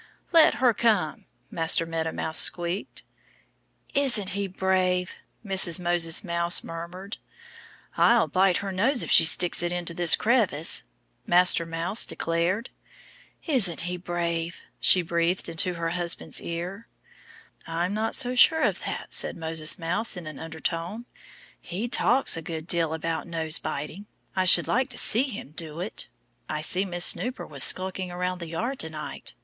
"Let her come!" Master Meadow Mouse squeaked. "Isn't he brave!" Mrs. Moses Mouse murmured. "I'll bite her nose if she sticks it into this crevice," Master Mouse declared. "Isn't he brave!" she breathed into her husband's ear. "I'm not so sure of that," said Moses Mouse in an undertone. "He talks a good deal about nose biting. I should like to see him do it. I knew Miss Snooper was skulking around the yard to night.